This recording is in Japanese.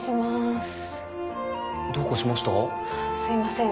すいません。